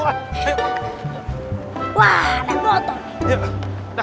wah anak botol